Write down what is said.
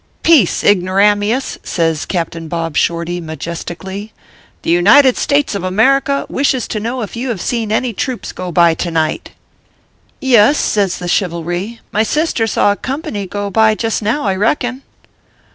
Peace, ignoramius !" says Captain L ob Shorty, majestically ;" the United States of America wishes to know if you have seen any troops go by to night." 258 ORPHEUS C. KERB PAPERS. " Yes/ says the chivalry, " my sister saw a com pany go by just now ; I reckon."